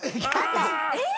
えっ？